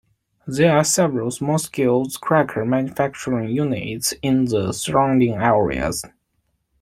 There are several small-scale cracker manufacturing units in the surrounding areas.